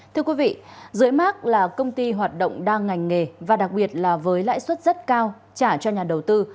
thưa quý vị dưới mát là công ty hoạt động đa ngành nghề và đặc biệt là với lãi suất rất cao trả cho nhà đầu tư